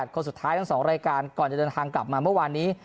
คนสุดท้ายทั้ง๒รายการก่อนจะเดินทางกลับมาเมื่อวานนี้